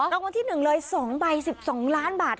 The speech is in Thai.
รางวัลที่๑เลย๒ใบ๑๒ล้านบาท